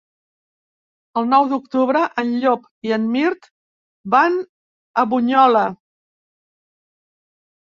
El nou d'octubre en Llop i en Mirt van a Bunyola.